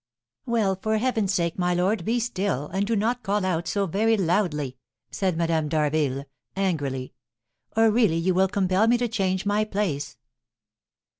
"Well, for heaven's sake, my lord, be still, and do not call out so very loudly," said Madame d'Harville, angrily, "or really you will compel me to change my place."